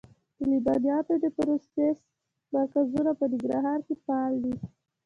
د لبنیاتو د پروسس مرکزونه په ننګرهار کې فعال دي.